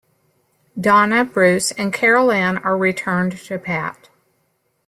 Donna, Bruce and Carol Anne are returned to Pat.